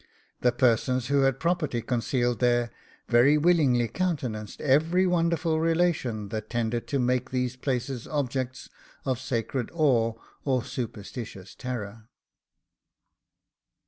The persons who had property concealed there, very willingly countenanced every wonderful relation that tended to make these places objects of sacred awe or superstitious terror.